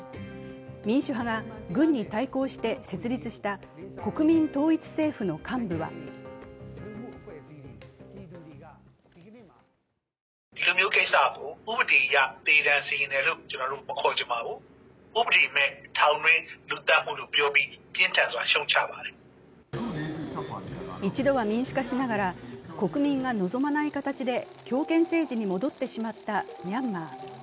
民主派が軍に対抗して設立した国民統一政府の幹部は一度は民主化しながら国民が望まない形で強権政治に戻ってしまったミャンマー。